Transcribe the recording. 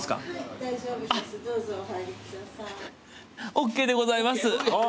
ＯＫでございます。